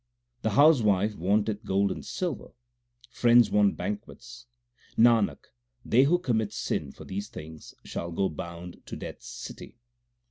The housewife wanteth gold and silver ; friends want banquets. Nanak, they who commit sin for these things shall go bound to Death s city.